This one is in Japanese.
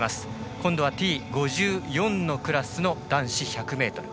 今度はＴ５４のクラスの男子１００ｍ。